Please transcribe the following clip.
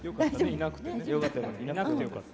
いなくてよかったです。